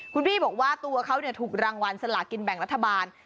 คุณพี่บอกว่าตัวเขาถูกรางวัลสลากินแบ่งรัฐบาล